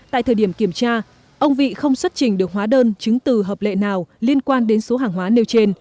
tại thời điểm kiểm tra ông vị không xuất trình được hóa đơn chứng từ hợp lệ nào liên quan đến số hàng hóa nêu trên